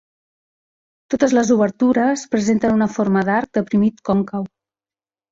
Totes les obertures presenten una forma d'arc deprimit còncau.